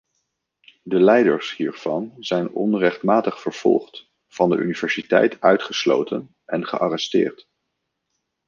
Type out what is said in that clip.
De leiders hiervan zijn onrechtmatig vervolgd, van de universiteit uitgesloten en gearresteerd.